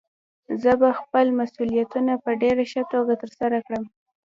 زه به خپل مسؤليتونه په ډېره ښه توګه ترسره کړم.